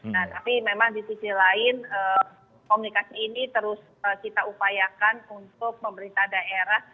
nah tapi memang di sisi lain komunikasi ini terus kita upayakan untuk pemerintah daerah